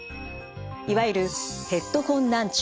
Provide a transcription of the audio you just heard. いわゆるヘッドホン難聴